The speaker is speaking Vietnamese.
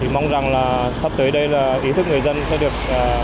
mong rằng sắp tới đây ý thức người dân sẽ được